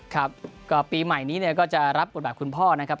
ครับก็ปีใหม่นี้เนี่ยก็จะรับบทบาทคุณพ่อนะครับ